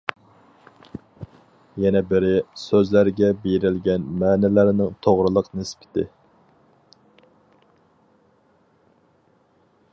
يەنە بىرى، سۆزلەرگە بېرىلگەن مەنىلەرنىڭ توغرىلىق نىسبىتى.